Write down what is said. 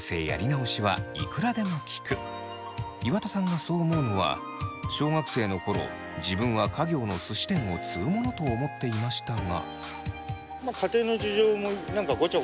岩田さんがそう思うのは小学生の頃自分は家業のすし店を継ぐものと思っていましたが。